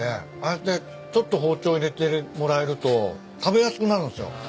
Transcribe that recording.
やってちょっと包丁入れてもらえると食べやすくなるんすよ。